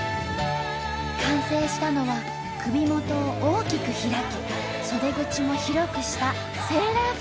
完成したのは首元を大きく開き袖口も広くしたセーラー服。